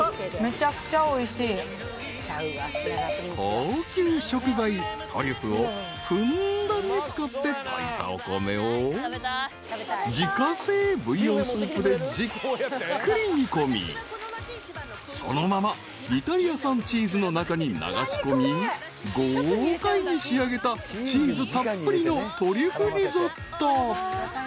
［高級食材トリュフをふんだんに使って炊いたお米を自家製ブイヨンスープでじっくり煮込みそのままイタリア産チーズの中に流しこみ豪快に仕上げたチーズたっぷりのトリュフリゾット］